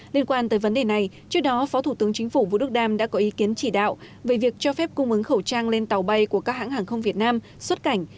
liên quan tới vấn đề này trước đó phó thủ tướng chính phủ vũ đức đam đã có ý kiến chỉ đạo về việc cho phép cung ứng khẩu trang lên tàu bay của các hãng hàng không việt nam xuất cảnh